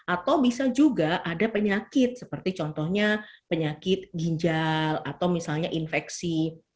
atau bisa juga ada penyakit seperti contohnya penyakit ginjal atau misalnya infeksi